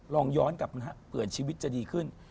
ลองย้อนกลับมาเปลี่ยนชีวิตจะดีขึ้น